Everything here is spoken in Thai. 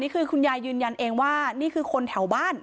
คุณยายยืนยันเองว่านี่คือคนแถวบ้าน